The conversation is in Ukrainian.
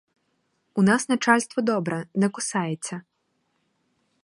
У нас начальство добре, не кусається.